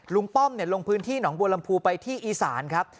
ป้อมลงพื้นที่หนองบัวลำพูไปที่อีสานครับ